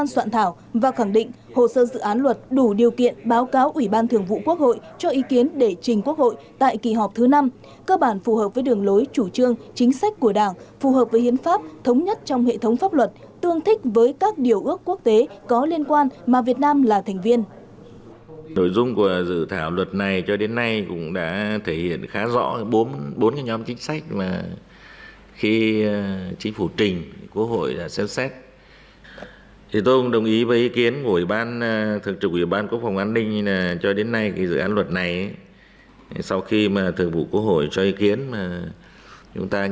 sau khi thượng vụ quốc hội cho ý kiến chúng ta nghiên cứu tiếp thu hoàn chỉnh thêm một bước nữa